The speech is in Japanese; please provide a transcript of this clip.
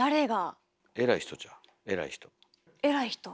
偉い人？